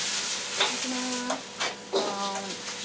いただきます。